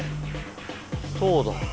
そうだ。